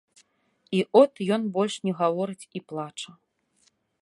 І от ён больш не гаворыць і плача.